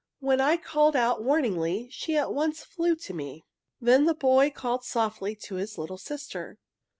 When I called out warningly she at once flew to me. "Then the boy called softly to his little sister.